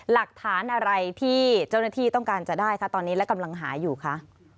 หลักฐานอะไรที่เจ้าหน้าที่ต้องการจะได้คะตอนนี้และกำลังหาอยู่คะ